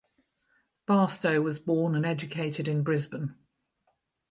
Barstow was born and educated in Brisbane.